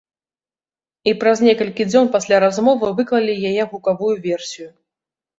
І праз некалькі дзён пасля размовы выклалі яе гукавую версію.